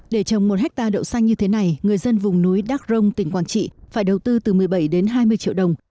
để trồng một hectare đậu xanh như thế này người dân vùng núi đắc rông tỉnh quảng trị phải đầu tư từ một mươi bảy đến hai mươi triệu đồng